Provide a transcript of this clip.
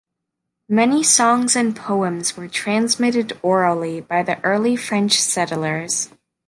Many songs and poems were transmitted orally by the early French settlers.